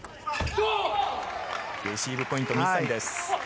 レシーブポイント水谷です。